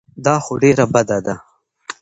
دا خو ډېره بده ده.